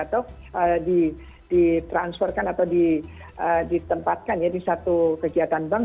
atau ditransferkan atau ditempatkan di satu kejahatan bank